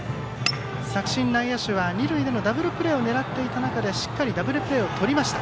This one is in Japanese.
作新の内野手は二塁でのダブルプレーを狙っていた中でしっかりダブルプレーをとりました。